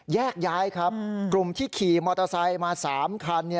แยกย้ายครับกลุ่มที่ขี่มอเตอร์ไซค์มา๓คัน